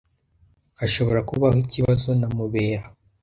Hashobora kubaho ikibazo na Mubera.